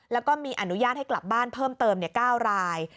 แล้วก็มีอนุญาตให้กลับบ้านเพิ่มเติม๙ราย